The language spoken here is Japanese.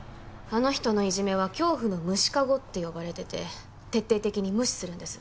あの人のいじめは恐怖の無視カゴって呼ばれてて徹底的に無視するんです。